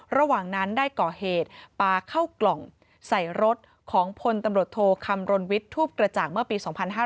ระหว่างนั้นได้ก่อเหตุปลาเข้ากล่องใส่รถของพลตำรวจโทคำรณวิทย์ทูปกระจ่างเมื่อปี๒๕๕๙